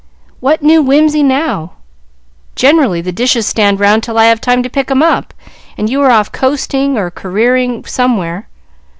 "What new whimsey now? Generally, the dishes stand round till I have time to pick 'em up, and you are off coasting or careering somewhere.